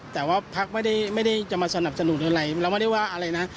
แต่ว่าพักไม่ได้จะมาสนับสนุนอะไรเราไม่ได้ว่าอะไรนะ